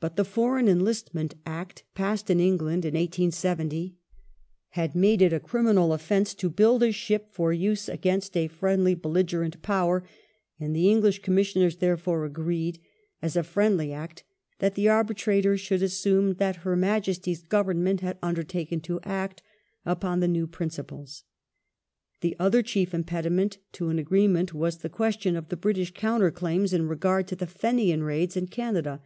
But the Foreign Enlistment Act, passed in England in 1870, had made it a criminal offence to build a ship for use against a friendly bel ligerent Power, and the English Commissioners therefore agreed, as a friendly act, that the Arbitrator should "assume that Her Majesty's Government had undertaken to act " upon the new prin ciples. The other chief impediment to an agreement was the ques tion of the British counter claims in regard to the Fenian raids in Canada.